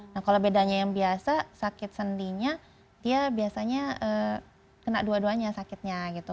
nah kalau bedanya yang biasa sakit sendinya dia biasanya kena dua duanya sakitnya gitu